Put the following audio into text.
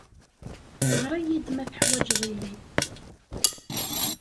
Ɣer-iyi-d ma teḥwajeḍ-iyi.